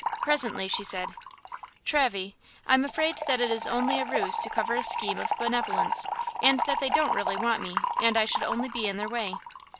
Presently she said: "Travy, I'm afraid that it is only a ruse to cover a scheme of benevolence! and that they don't really want me, and I should only be in their way."